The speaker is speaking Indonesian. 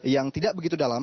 yang tidak begitu dalam